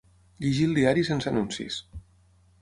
Llegir el diari sense anuncis.